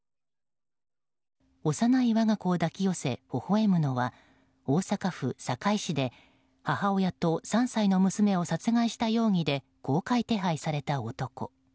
幼い我が子を抱き寄せほほ笑むのは大阪府堺市で母親と３歳の娘を殺害した容疑で公開手配された男